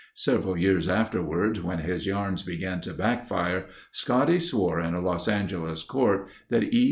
Several years afterward when his yarns began to backfire, Scotty swore in a Los Angeles court that E.